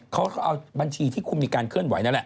เขาก็เอาบัญชีที่คุณมีการเคลื่อนไหวนั่นแหละ